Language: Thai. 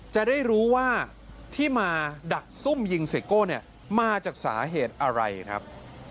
จะได้รู้ว่าที่มาดักซุ่มยิงเซโก้เนี่ยมาจากสาเหตุอะไรครับ